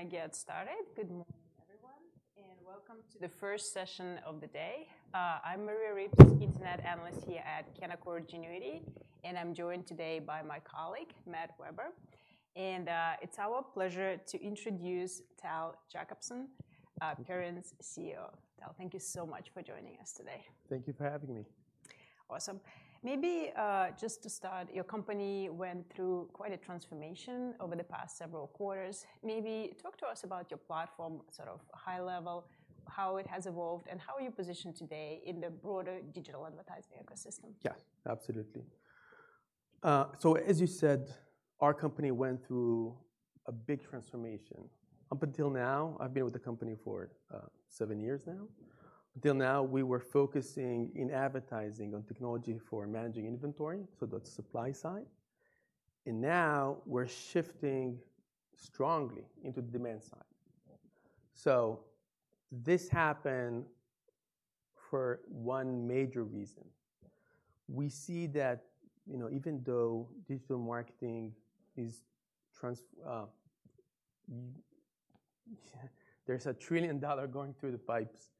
Let's get started. Good morning, everyone, and welcome to the first session of the day. I'm Maria Ripps, Internet Analyst here at Canaccord Genuity, and I'm joined today by my colleague, Matt Weber. It's our pleasure to introduce Tal Jacobson, Perion's CEO. Tal, thank you so much for joining us today. Thank you for having me. Awesome. Maybe just to start, your company went through quite a transformation over the past several quarters. Maybe talk to us about your platform, sort of high level, how it has evolved, and how you're positioned today in the broader digital advertising ecosystem. Yeah, absolutely. As you said, our company went through a big transformation. I've been with the company for seven years now. Until now, we were focusing in advertising on technology for managing inventory, so that's the supply side. Now we're shifting strongly into the demand side. This happened for one major reason. We see that, you know, even though digital marketing is... There's a trillion dollars going through the pipes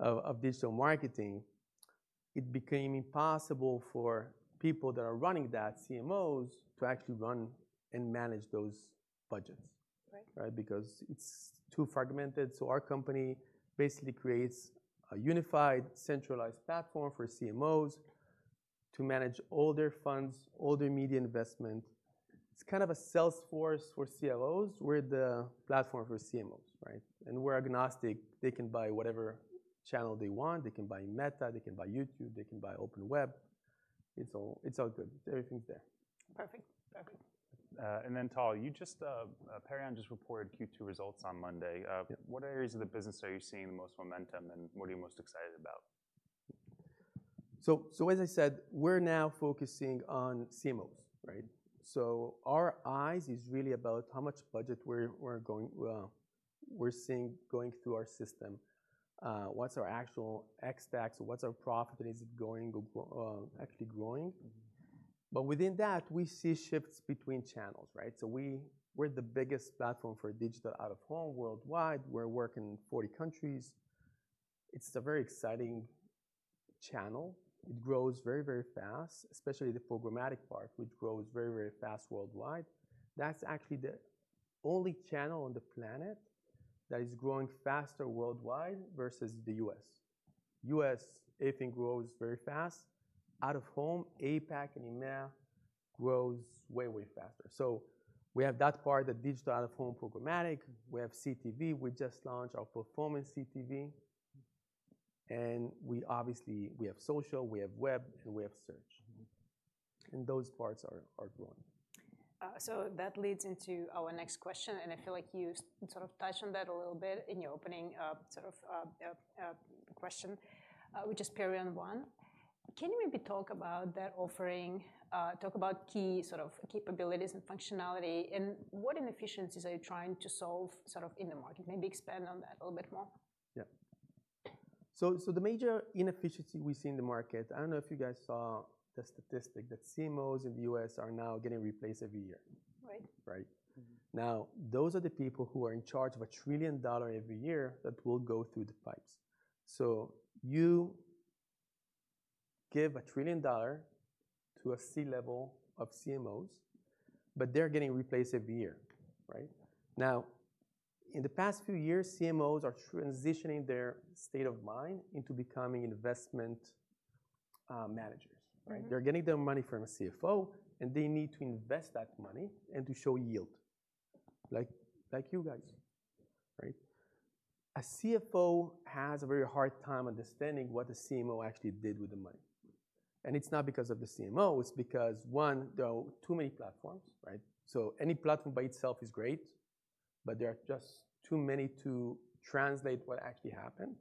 of digital marketing. It became impossible for people that are running that, CMOs, to actually run and manage those budgets. Right. Right? Because it's too fragmented. Our company basically creates a unified, centralized platform for CMOs to manage all their funds, all their media investment. It's kind of a Salesforce for CMOs. We're the platform for CMOs, right? We're agnostic. They can buy whatever channel they want. They can buy Meta, they can buy YouTube, they can buy Open Web. It's all good. Everything's there. Perfect. Perfect. Tal, you just... Perion just reported Q2 results on Monday. What areas of the business are you seeing the most momentum, and what are you most excited about? As I said, we're now focusing on CMOs, right? Our eyes are really about how much budget we're seeing going through our system. What's our actual ex-tax? What's our profit? Is it actually growing? Within that, we see shifts between channels, right? We're the biggest platform for digital out of home worldwide. We're working in 40 countries. It's a very exciting channel. It grows very, very fast, especially the programmatic part, which grows very, very fast worldwide. That's actually the only channel on the planet that is growing faster worldwide versus the U.S. The U.S., everything grows very fast. Out of home, APAC and EMEA grow way, way faster. We have that part, the digital out of home programmatic. We have CTV. We just launched our performance CTV. We obviously have social, we have web, and we have search. Those parts are growing. That leads into our next question. I feel like you sort of touched on that a little bit in your opening question. With Perion One, can you maybe talk about that offering, talk about key capabilities and functionality, and what inefficiencies are you trying to solve in the market? Maybe expand on that a little bit more? Yeah. The major inefficiency we see in the market, I don't know if you guys saw the statistic that CMOs in the U.S. are now getting replaced every year. Right. Right? Now, those are the people who are in charge of $1 trillion every year that will go through the pipes. You give $1 trillion to a C-level of CMOs, but they're getting replaced every year, right? In the past few years, CMOs are transitioning their state of mind into becoming investment managers, right? They're getting their money from a CFO, and they need to invest that money and to show yield, like you guys, right? A CFO has a very hard time understanding what the CMO actually did with the money. It's not because of the CMO. It's because, one, there are too many platforms, right? Any platform by itself is great, but there are just too many to translate what actually happened.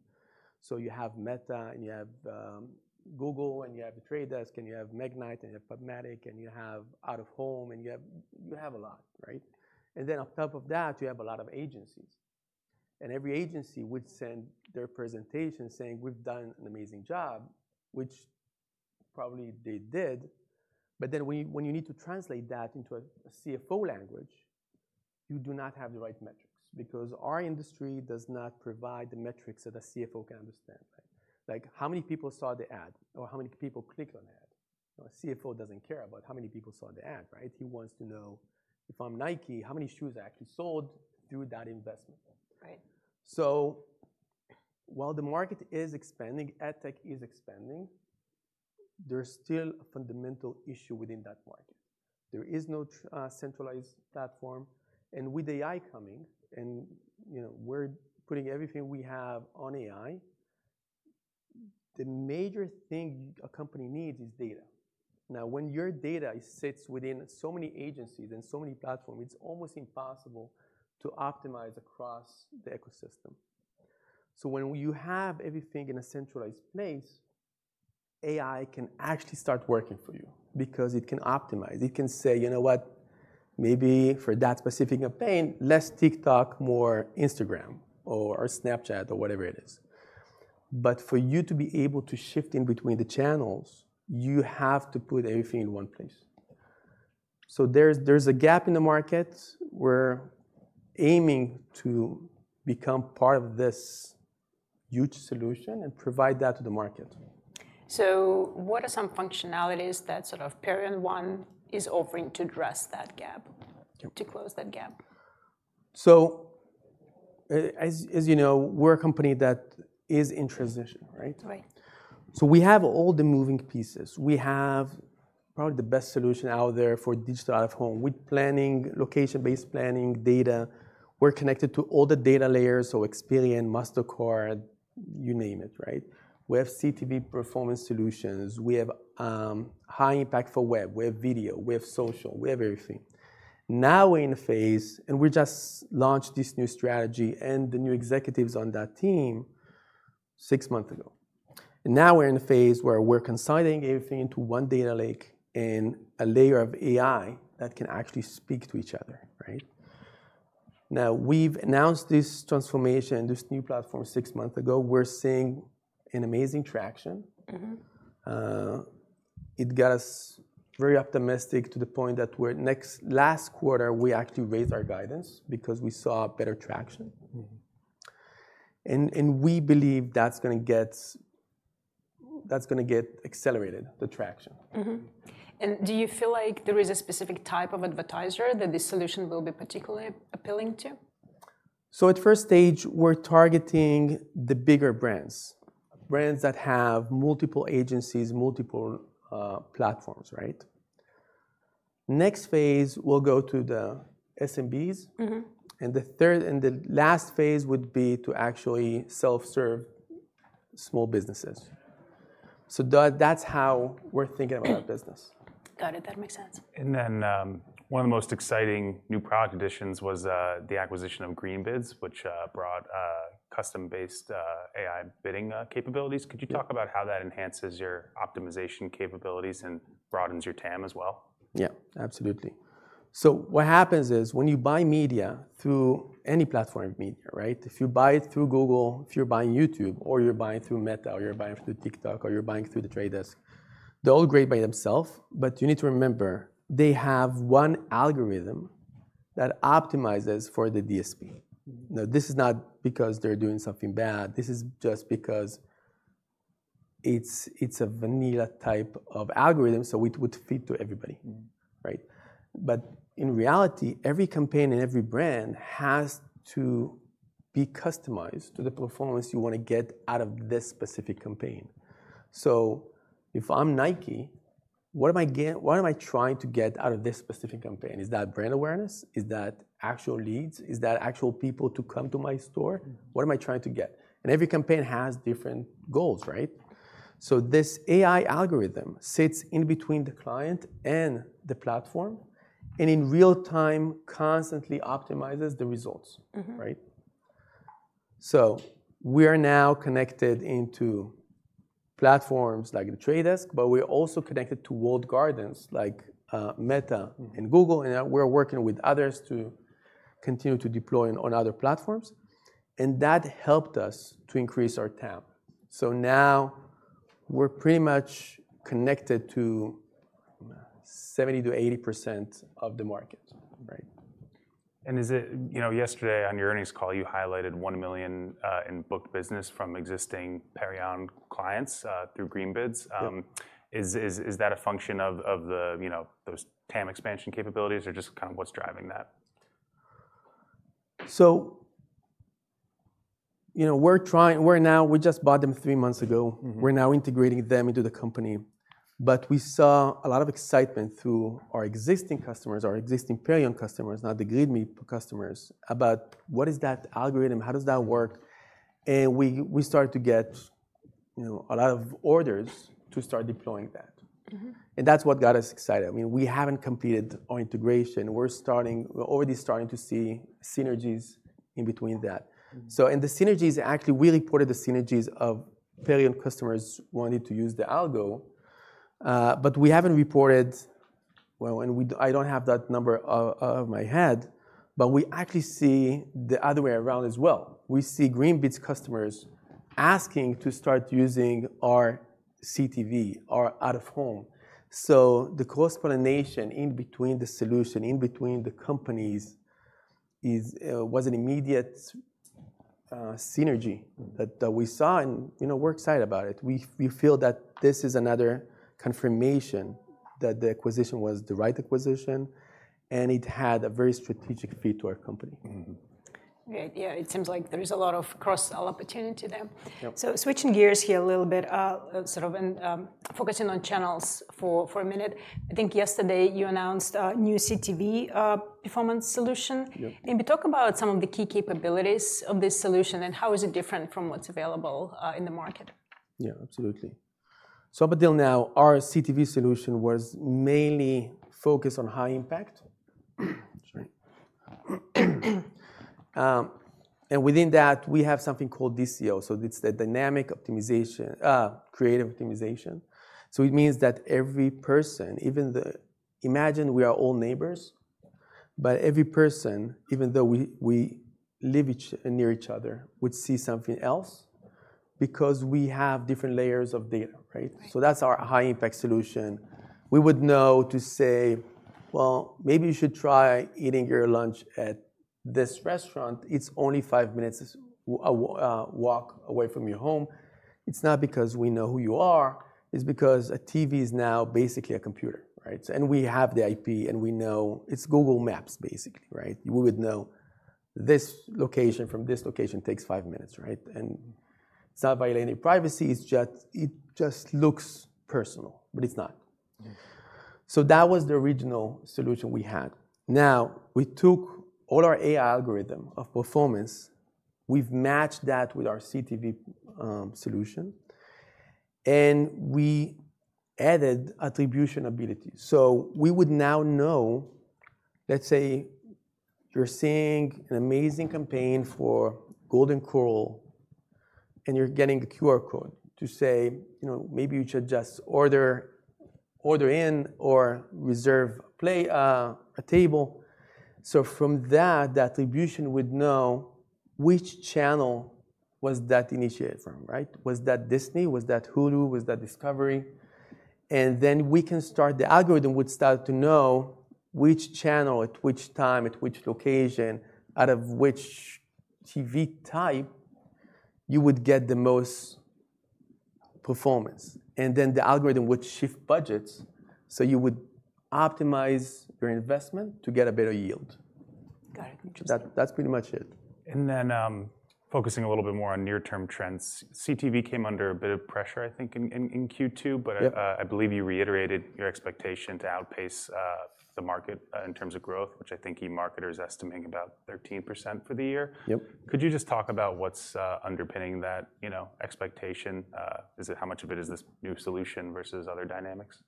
You have Meta, and you have Google, and you have The Trade Desk, and you have Magnite, and you have PubMatic, and you have digital out of home, and you have a lot, right? On top of that, you have a lot of agencies. Every agency would send their presentation saying, "We've done an amazing job," which probably they did. When you need to translate that into a CFO language, you do not have the right metrics because our industry does not provide the metrics that a CFO can understand. Like how many people saw the ad or how many people clicked on the ad? A CFO doesn't care about how many people saw the ad, right? He wants to know if I'm Nike, how many shoes I actually sold through that investment. Right. While the market is expanding, ad tech is expanding, there's still a fundamental issue within that market. There is no centralized platform. With AI coming, and you know we're putting everything we have on AI, the major thing a company needs is data. When your data sits within so many agencies and so many platforms, it's almost impossible to optimize across the ecosystem. When you have everything in a centralized place, AI can actually start working for you because it can optimize. It can say, "You know what? Maybe for that specific campaign, less TikTok, more Instagram or Snapchat or whatever it is." For you to be able to shift in between the channels, you have to put everything in one place. There's a gap in the market. We're aiming to become part of this huge solution and provide that to the market. What are some functionalities that Perion One is offering to address that gap, to close that gap? As you know, we're a company that is in transition, right? Right. We have all the moving pieces. We have probably the best solution out there for digital out of home. We're planning location-based planning data. We're connected to all the data layers, so Experian, Mastercard, you name it, right? We have CTV performance solutions. We have high impact for web. We have video. We have social. We have everything. Now we're in a phase, and we just launched this new strategy and the new executives on that team six months ago. Now we're in a phase where we're consolidating everything into one data lake and a layer of AI that can actually speak to each other, right? We've announced this transformation, this new platform six months ago. We're seeing amazing traction. It got us very optimistic to the point that last quarter, we actually raised our guidance because we saw better traction. We believe that's going to get accelerated, the traction. Do you feel like there is a specific type of advertiser that this solution will be particularly appealing to? At first stage, we're targeting the bigger brands, brands that have multiple agencies, multiple platforms, right? Next phase, we'll go to the SMBs. The third and the last phase would be to actually self-serve small businesses. That's how we're thinking about the business. Got it. That makes sense. One of the most exciting new product additions was the acquisition of Greenbids, which brought custom-based AI bidding capabilities. Could you talk about how that enhances your optimization capabilities and broadens your TAM as well? Yeah, absolutely. What happens is when you buy media through any platform of media, right? If you buy it through Google, if you're buying YouTube, or you're buying through Meta, or you're buying through TikTok, or you're buying through the Trade Desk, they're all great by themselves. You need to remember they have one algorithm that optimizes for the DSP. This is not because they're doing something bad. This is just because it's a vanilla type of algorithm, so it would fit to everybody, right? In reality, every campaign and every brand has to be customized to the performance you want to get out of this specific campaign. If I'm Nike, what am I trying to get out of this specific campaign? Is that brand awareness? Is that actual leads? Is that actual people to come to my store? What am I trying to get? Every campaign has different goals, right? This AI algorithm sits in between the client and the platform and in real time constantly optimizes the results, right? We are now connected into platforms like the Trade Desk, but we're also connected to walled gardens like Meta and Google. We're working with others to continue to deploy on other platforms. That helped us to increase our TAM. Now we're pretty much connected to 70%-80% of the market, right? Is it, you know, yesterday on your earnings call, you highlighted $1 million in booked business from existing Perion clients through Greenbids. Is that a function of those total addressable market expansion capabilities or just kind of what's driving that? We're trying, we just bought them three months ago. We're now integrating them into the company. We saw a lot of excitement through our existing customers, our existing Perion customers, not the Greenbids customers, about what is that algorithm, how does that work. We started to get a lot of orders to start deploying that, and that's what got us excited. We haven't completed our integration. We're already starting to see synergies in between that. The synergies actually, we reported the synergies of Perion customers wanting to use the Algo. We haven't reported, and I don't have that number out of my head, but we actually see the other way around as well. We see Greenbids customers asking to start using our CTV, our digital out of home. The cross-pollination in between the solution, in between the companies, was an immediate synergy that we saw, and we're excited about it. We feel that this is another confirmation that the acquisition was the right acquisition and it had a very strategic feed to our company. Yeah, it seems like there's a lot of cross-sell opportunity there. Switching gears here a little bit, sort of focusing on channels for a minute. I think yesterday you announced a new performance CTV solution. Maybe talk about some of the key capabilities of this solution and how is it different from what's available in the market? Yeah, absolutely. Up until now, our CTV solution was mainly focused on high impact. Within that, we have something called DCO, which is Dynamic Creative Optimization. It means that every person, even if we are all neighbors, would see something else because we have different layers of data, right? That's our high-impact solution. We would know to say, maybe you should try eating your lunch at this restaurant. It's only five minutes a walk away from your home. It's not because we know who you are. It's because a TV is now basically a computer, right? We have the IP, and we know it's Google Maps, basically, right? We would know this location from this location takes five minutes, right? It's not violating privacy. It just looks personal, but it's not. That was the original solution we had. Now we took all our AI algorithm of performance, we've matched that with our CTV solution, and we added attribution ability. We would now know, let's say you're seeing an amazing campaign for Golden Corral, and you're getting the QR code to say, maybe you should just order in or reserve a table. From that, the attribution would know which channel was that initiated from, right? Was that Disney? Was that Hulu? Was that Discovery? The algorithm would start to know which channel, at which time, at which location, out of which TV type you would get the most performance. The algorithm would shift budgets, so you would optimize your investment to get a better yield. Got it. That's pretty much it. Focusing a little bit more on near-term trends, CTV came under a bit of pressure, I think, in Q2, but I believe you reiterated your expectation to outpace the market in terms of growth, which I think eMarketer is estimating about 13% for the year. Yep. Could you just talk about what's underpinning that expectation? Is it how much of it is this new solution versus other dynamics?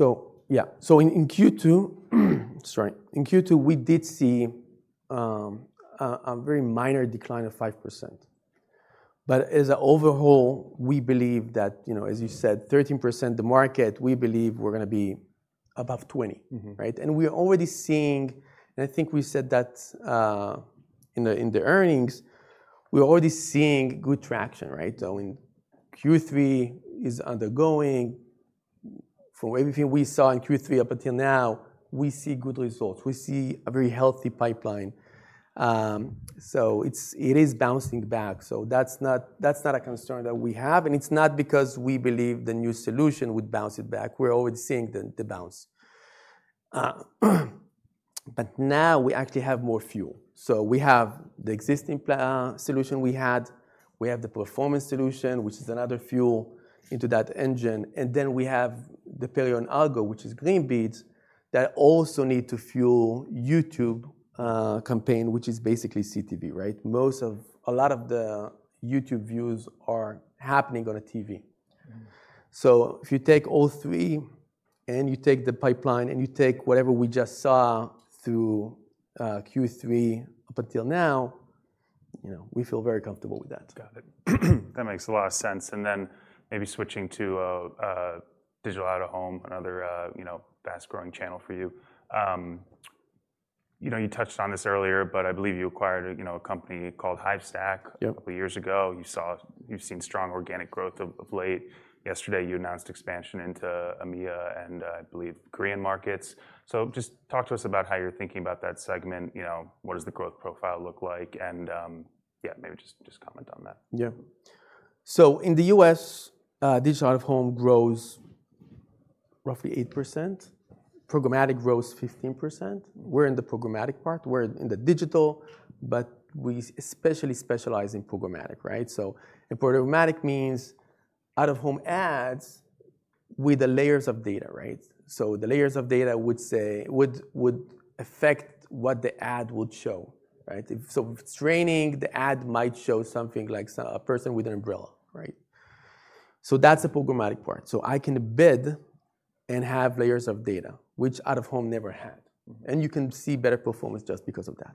In Q2, we did see a very minor decline of 5%. As an overall, we believe that, as you said, 13% the market, we believe we're going to be above 20%, right? We're already seeing, and I think we said that in the earnings, we're already seeing good traction, right? In Q3, from everything we saw in Q3 up until now, we see good results. We see a very healthy pipeline. It is bouncing back. That's not a concern that we have. It's not because we believe the new solution would bounce it back. We're already seeing the bounce. Now we actually have more fuel. We have the existing solution we had. We have the performance solution, which is another fuel into that engine. Then we have the Perion Algo, which is Greenbids, that also needs to fuel YouTube campaigns, which is basically CTV, right? Most of a lot of the YouTube views are happening on a TV. If you take all three and you take the pipeline and you take whatever we just saw through Q3 up until now, we feel very comfortable with that. Got it. That makes a lot of sense. Maybe switching to digital out of home, another fast-growing channel for you. You touched on this earlier, but I believe you acquired a company called Hivestack a couple of years ago. You've seen strong organic growth of late. Yesterday, you announced expansion into EMEA and I believe Korean markets. Just talk to us about how you're thinking about that segment. What does the growth profile look like? Maybe just comment on that. Yeah. In the U.S., digital out of home grows roughly 8%. Programmatic grows 15%. We're in the programmatic part. We're in the digital, but we especially specialize in programmatic, right? Programmatic means out of home ads with the layers of data, right? The layers of data would affect what the ad would show, right? If it's raining, the ad might show something like a person with an umbrella, right? That's the programmatic part. I can bid and have layers of data, which out of home never had. You can see better performance just because of that.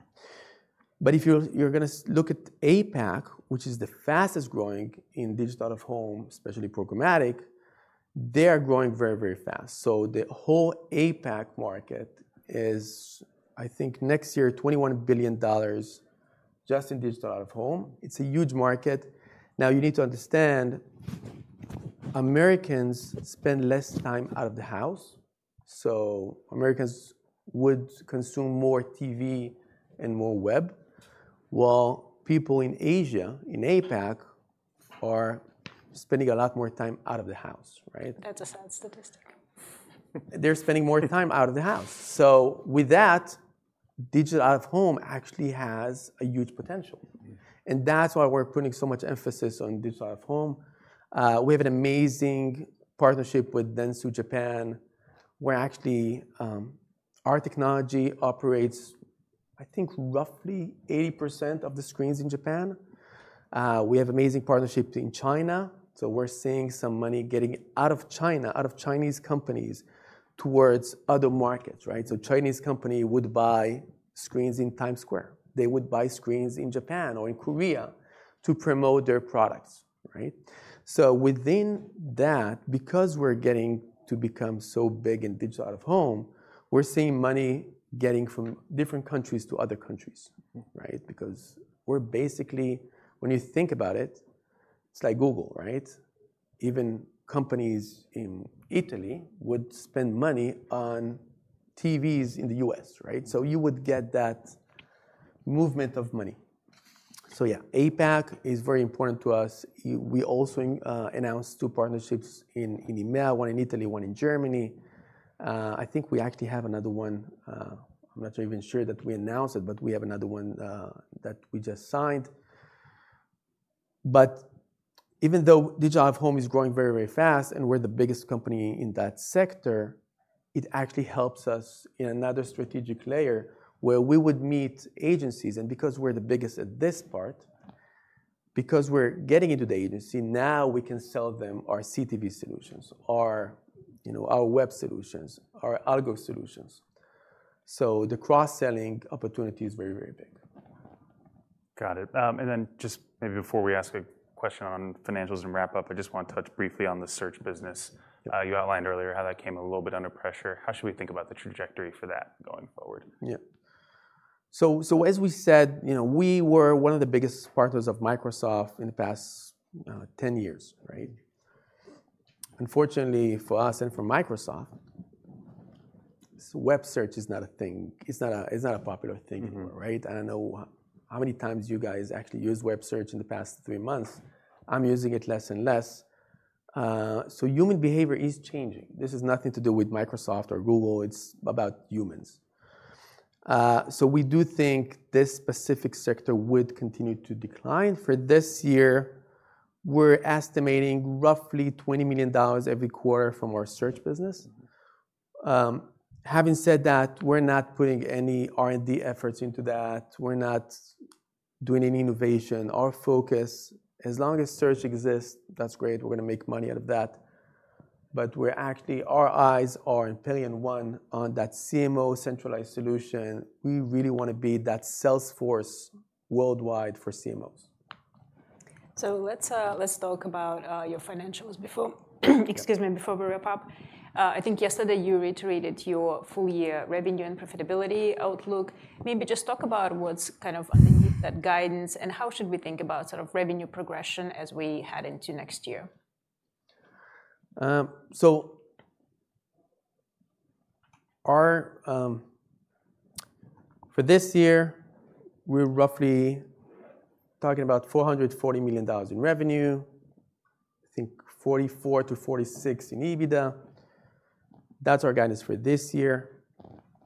If you're going to look at APAC, which is the fastest growing in digital out of home, especially programmatic, they're growing very, very fast. The whole APAC market is, I think, next year, $21 billion just in digital out of home. It's a huge market. You need to understand, Americans spend less time out of the house. Americans would consume more TV and more web. People in Asia, in APAC, are spending a lot more time out of the house, right? That's a sad statistic. They're spending more time out of the house. With that, digital out of home actually has a huge potential. That's why we're putting so much emphasis on digital out of home. We have an amazing partnership with Dentsu Japan, where actually our technology operates, I think, roughly 80% of the screens in Japan. We have an amazing partnership in China. We're seeing some money getting out of China, out of Chinese companies towards other markets, right? Chinese companies would buy screens in Times Square. They would buy screens in Japan or in Korea to promote their products, right? Within that, because we're getting to become so big in digital out of home, we're seeing money getting from different countries to other countries, right? When you think about it, it's like Google, right? Even companies in Italy would spend money on TVs in the U.S., right? You would get that movement of money. APAC is very important to us. We also announced two partnerships in EMEA, one in Italy, one in Germany. I think we actually have another one. I'm not even sure that we announced it, but we have another one that we just signed. Even though digital out of home is growing very, very fast, and we're the biggest company in that sector, it actually helps us in another strategic layer where we would meet agencies. Because we're the biggest at this part, because we're getting into the agency, now we can sell them our CTV solutions, our web solutions, our Algo solutions. The cross-selling opportunity is very, very big. Got it. Maybe before we ask a question on financials and wrap up, I just want to touch briefly on the search business. You outlined earlier how that came a little bit under pressure. How should we think about the trajectory for that going forward? Yeah. As we said, we were one of the biggest partners of Microsoft in the past 10 years, right? Unfortunately for us and for Microsoft, web search is not a thing. It's not a popular thing anymore, right? I don't know how many times you guys actually use web search in the past three months. I'm using it less and less. Human behavior is changing. This has nothing to do with Microsoft or Google. It's about humans. We do think this specific sector would continue to decline. For this year, we're estimating roughly $20 million every quarter from our search business. Having said that, we're not putting any R&D efforts into that. We're not doing any innovation. Our focus, as long as search exists, that's great. We're going to make money out of that. We're actually, our eyes are in Perion One on that CMO-centralized solution. We really want to be that Salesforce worldwide for CMOs. Let's talk about your financials before we wrap up. I think yesterday you reiterated your full year revenue and profitability outlook. Maybe just talk about what's kind of underneath that guidance and how should we think about sort of revenue progression as we head into next year. For this year, we're roughly talking about $440 million in revenue. I think $44 million-$46 million in EBITDA. That's our guidance for this year.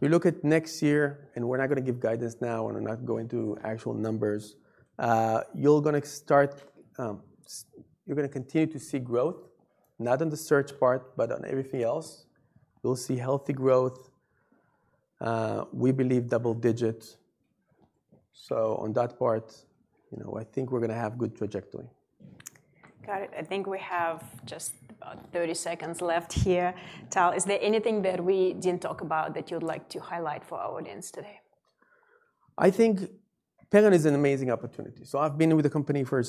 We look at next year, and we're not going to give guidance now, and we're not going to actual numbers. You're going to start, you're going to continue to see growth, not on the search part, but on everything else. We'll see healthy growth. We believe double-digits. On that part, you know, I think we're going to have a good trajectory. Got it. I think we have just about 30 seconds left here. Tal, is there anything that we didn't talk about that you'd like to highlight for our audience today? I think Perion is an amazing opportunity. I've been with the company for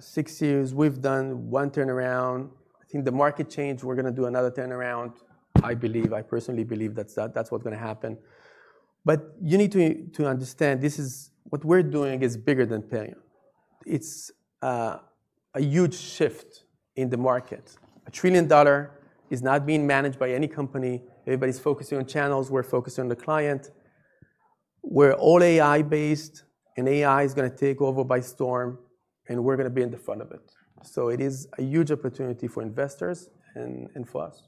six years. We've done one turnaround. I think the market changed, we're going to do another turnaround. I personally believe that's what's going to happen. You need to understand, what we're doing is bigger than Perion. It's a huge shift in the market. A trillion dollars is not being managed by any company. Everybody's focusing on channels. We're focusing on the client. We're all AI-based, and AI is going to take over by storm, and we're going to be in the front of it. It is a huge opportunity for investors and for us.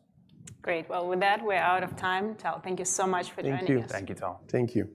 Great. With that, we're out of time. Tal, thank you so much for joining us. Thank you. Thank you, Tal. Thank you.